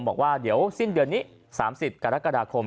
บอกว่าเดี๋ยวสิ้นเดือนนี้๓๐กรกฎาคม